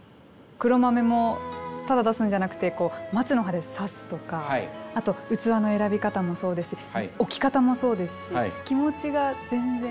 黒豆もただ出すんじゃなくてこう松の葉でさすとかあと器の選び方もそうですし置き方もそうですし気持ちが全然違う。